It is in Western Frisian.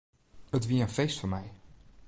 It wie in feest foar my.